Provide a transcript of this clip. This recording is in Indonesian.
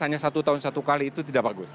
hanya satu tahun satu kali itu tidak bagus